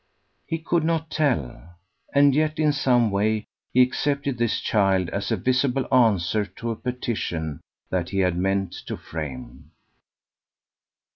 He could not tell; and yet in some way he accepted this child as a visible answer to a petition that he had meant to frame.